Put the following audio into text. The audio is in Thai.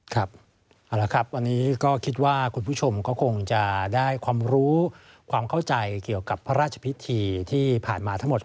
ครับเอาละครับวันนี้ก็คิดว่าคุณผู้ชมก็คงจะได้ความรู้ความเข้าใจเกี่ยวกับพระราชพิธีที่ผ่านมาทั้งหมด